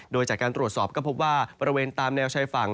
โดยจากการตรวจสอบก็พบว่าบริเวณตามแนวชายฝั่ง